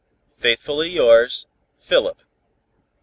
"Faithfully yours, "PHILIP."